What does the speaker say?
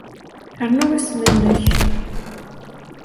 Aru isem-nnek.